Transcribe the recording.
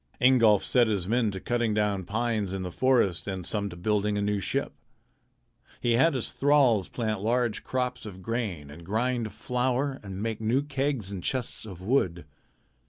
Ingolf set his men to cutting down pines in the forest and some to building a new ship. He had his thralls plant large crops of grain and grind flour and make new kegs and chests of wood.